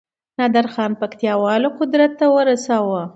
نادرخان پکتياوالو قدرت ته ورساوه